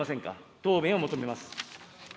答弁を求めます。